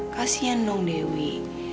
kasian dong dewi